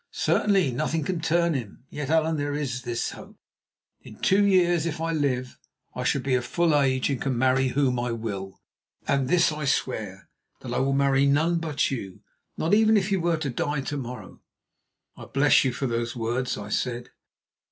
"Certainly, nothing can turn him. Yet, Allan, there is this hope. In two years, if I live, I shall be of full age, and can marry whom I will; and this I swear, that I will marry none but you, no, not even if you were to die to morrow." "I bless you for those words," I said.